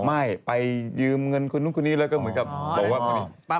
ไม่ไปยืมเงินคุณนุ่นคุณนี้แล้วก็เหมือนกับบอกว่า